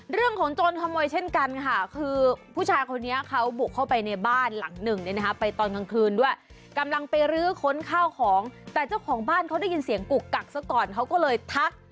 โจรขโมยเช่นกันค่ะคือผู้ชายคนนี้เขาบุกเข้าไปในบ้านหลังหนึ่งเนี่ยนะคะไปตอนกลางคืนด้วยกำลังไปรื้อค้นข้าวของแต่เจ้าของบ้านเขาได้ยินเสียงกุกกักซะก่อนเขาก็เลยทัก